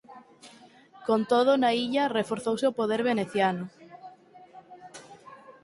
Con todo na illa reforzouse o poder veneciano.